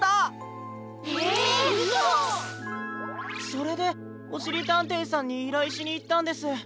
それでおしりたんていさんにいらいしにいったんです。